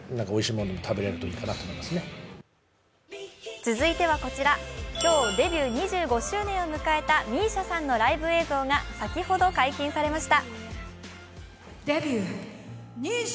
続いてはこちら、今日デビュー２５周年を迎えたＭＩＳＩＡさんのライブ映像が先ほど解禁されました。